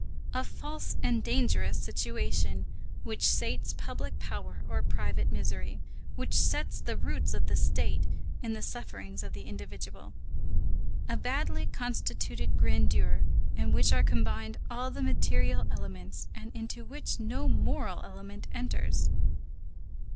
A false and dangerous situation, which sates public power or private misery, which sets the roots of the State in the sufferings of the individual. A badly constituted grandeur in which are combined all the material elements and into which no moral element enters.